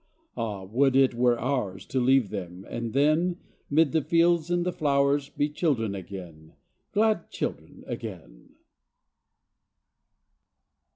_ _Ah, would it were ours To leave them, and then, 'Mid the fields and the flowers, Be children again, Glad children again.